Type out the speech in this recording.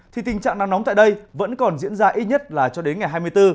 thì tình trạng nắng nóng tại đây vẫn còn diễn ra ít nhất là cho đến ngày hai mươi bốn